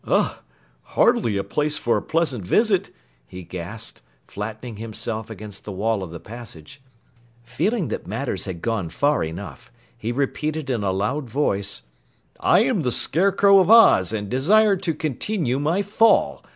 "Ugh! Hardly a place for a pleasant visit!" he gasped, flattening himself against the wall of the passage. Feeling that matters had gone far enough, he repeated in a loud voice: "I am the Scarecrow of Oz and desire to continue my fall.